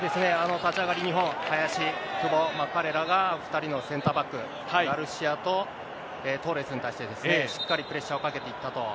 立ち上がり、日本、林、久保、彼らが２人のセンターバック、ガルシアとトーレスに対して、しっかりプレッシャーをかけていったと。